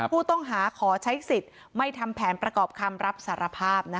ผู้ต้องหาขอใช้สิทธิ์ไม่ทำแผนประกอบคำรับสารภาพ